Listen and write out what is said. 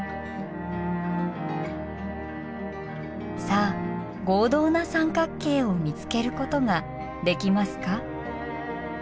さあ合同な三角形を見つけることができますか？